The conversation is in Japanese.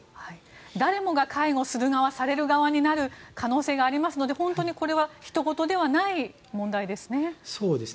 誰もが介護する側される側になる可能性がありますので本当にこれはひと事ではない問題ですね。